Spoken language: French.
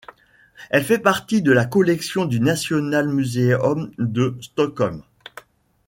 Elle fait partie de la collection du Nationalmuseum de Stockholm.